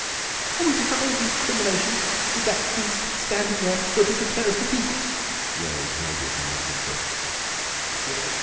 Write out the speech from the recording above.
"Are we to have all these recriminations with that beast standing there ready to tear us to pieces?" wailed Mavis indignantly.